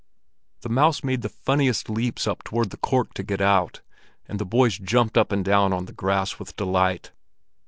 The mouse made the funniest leaps up toward the cork to get out; and the boys jumped up and down on the grass with delight.